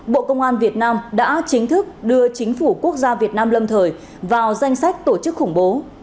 bộ công an việt nam đã chính thức đưa chính phủ quốc gia việt nam lâm thời vào danh sách tổ chức khủng bố